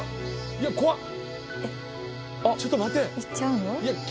いや怖っ！